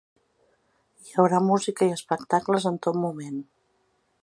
Hi haurà música i espectacles en tot moment.